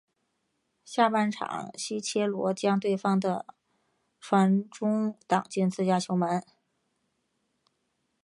下半场西切罗将对方的传中挡进自家球门。